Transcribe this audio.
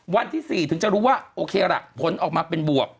วันที่๔ถึงจะรู้ว่าโอเคล่ะผลออกมาเป็นบวก